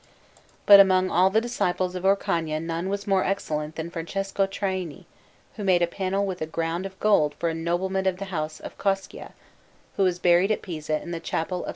But among all the disciples of Orcagna none was more excellent than Francesco Traini, who made a panel with a ground of gold for a nobleman of the house of Coscia, who is buried at Pisa in the Chapel of S.